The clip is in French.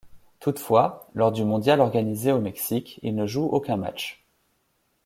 Toutefois, lors du mondial organisé au Mexique, il ne joue aucun match.